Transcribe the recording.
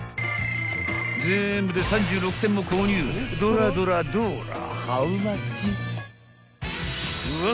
［全部で３６点も購入どらどらどらハウマッチ？］